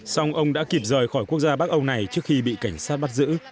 song ông đã kịp rời khỏi quốc gia bắc âu này trước khi bị cảnh sát bắt giữ